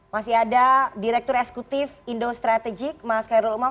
masih ada direktur esekutif indo strategic mas kairul umar